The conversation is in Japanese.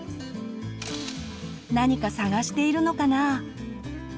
何か探しているのかな？